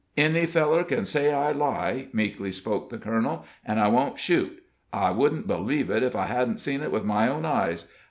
"Any feller ken say I lie," meekly spoke the colonel, "an' I won't shoot, I wouldn't believe it ef I hedn't seen it with my own eyes.